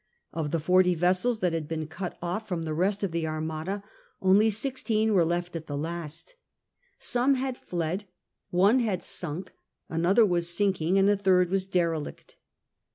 Of the forty vessels that had been cut off from the rest of the Armada, only sixteen were left at the last Some had fled, one had sunk, another was sinking, and a third was derelict.